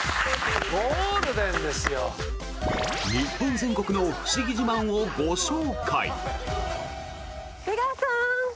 日本全国のフシギ自慢をご紹介。